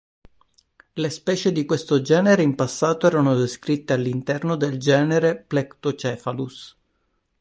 Le specie di questo genere in passato erano descritte all'interno del genere "Plectocephalus".